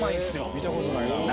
見たことないな。